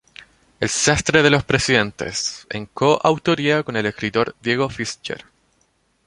El Sastre de los Presidentes, en coautoría con el escritor Diego Fischer.